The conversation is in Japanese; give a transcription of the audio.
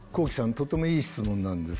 とてもいい質問なんです。